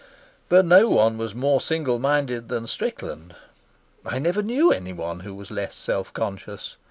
But no one was more single minded than Strickland. I never knew anyone who was less self conscious.